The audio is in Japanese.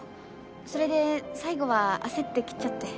それで最後は焦って切っちゃって。